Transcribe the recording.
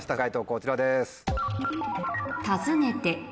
こちらです。